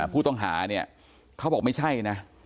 ผู้ต้องหาเนี่ยเขาบอกไม่ใช่นะ